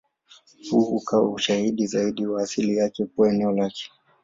Huu ukawa ushahidi zaidi wa asili yake kuwa eneo lake.